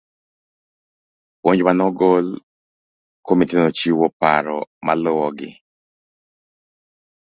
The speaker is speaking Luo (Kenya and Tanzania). Puonj manogol. Komitino chiwo paro maluwo gi.